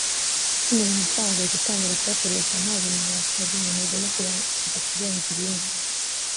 Kwinjiza amafaranga ugahita utangira kuyakoresha nta bintu runaka wagennye n’ibigomba kubanza kurenza ibindi